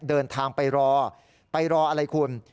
เดินทางไปรอไปรออะไรคุณ